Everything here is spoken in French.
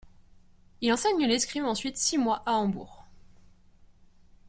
Il enseigne l’escrime ensuite six mois à Hambourg.